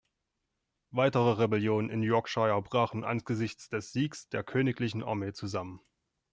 Weitere Rebellionen in Yorkshire brachen angesichts des Siegs der königlichen Armee zusammen.